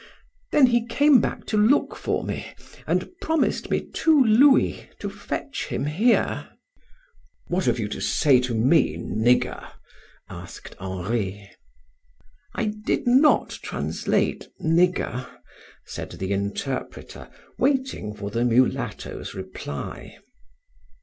Then he came back to look for me, and promised me two louis to fetch him here." "What have you to say to me, nigger?" asked Henri. "I did not translate nigger," said the interpreter, waiting for the mulatto's reply....